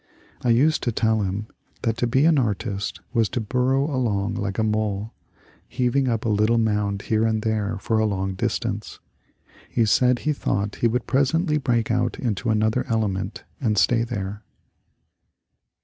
^ I used to tell him that to be an artist was to burrow along like a mole, heaving up a little mound here and there for a long distance. He said he thought he would presently break out into another element and stay there."